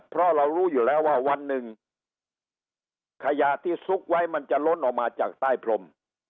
เพราะเรารู้อยู่แล้วว่าวันหนึ่งขยะที่ซุกไว้มันจะล้นออกมาจากใต้พรม